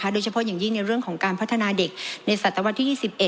โดยเฉพาะอย่างยิ่งในเรื่องของการพัฒนาเด็กในศตวรรษที่๒๑